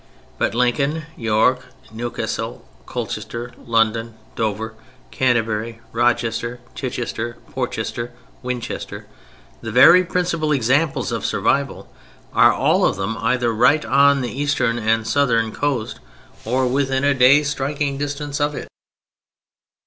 But Lincoln, York, Newcastle, Colchester, London, Dover, Canterbury, Rochester, Chichester, Portchester, Winchester, the very principal examples of survival, are all of them either right on the eastern and southern coast or within a day's striking distance of it.